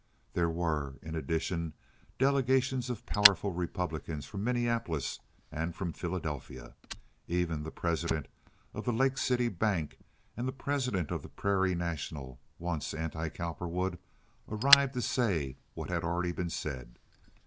There were in addition delegations of powerful Republicans from Minneapolis and from Philadelphia. Even the president of the Lake City Bank and the president of the Prairie National—once anti Cowperwood—arrived to say what had already been said.